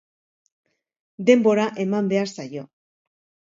Denbora eman behar zaio.